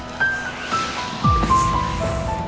mmhst normah teh